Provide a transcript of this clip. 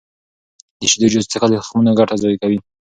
د شیدو جوس څښل د تخمونو ګټه ضایع کوي.